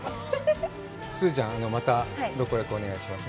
すずちゃん、また「ロコレコ！」、お願いします。